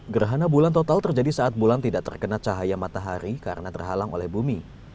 gerhana bulan total terjadi saat bulan tidak terkena cahaya matahari karena terhalang oleh bumi